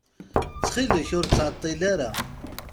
Ttxil-k, ur ttɛeṭṭil ara.